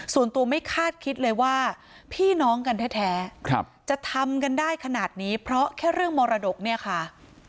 ส่วนตัวไม่คาดคิดเลยว่าพี่น้องกันแท้จะทำกันได้ขนาดนี้เพราะแค่เรื่องมรดกเนี่ยค่ะ